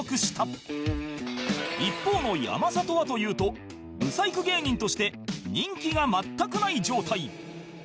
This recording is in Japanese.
一方の山里はというとブサイク芸人として人気が全くない状態